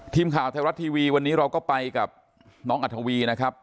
ทีมข่าวไทยรัฐทีวีวันนี้เราก็ไปกับน้องอัธวีนะครับ